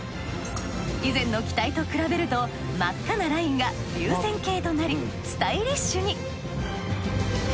以前の機体と比べると真っ赤なラインが流線型となりスタイリッシュに。